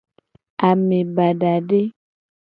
Ame badade.